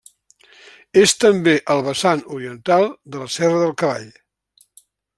És també el vessant oriental de la Serra del Cavall.